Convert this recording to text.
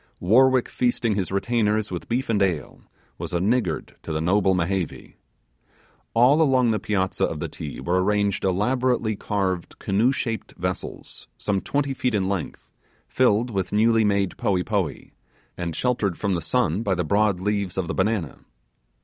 Warwick feasting his retainers with beef and ale, was a niggard to the noble Mehevi! All along the piazza of the Ti were arranged elaborately carved canoe shaped vessels, some twenty feet in length, tied with newly made poee poee, and sheltered from the sun by the broad leaves of the banana.